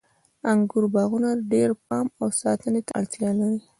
د انګورو باغونه ډیر پام او ساتنې ته اړتیا لري.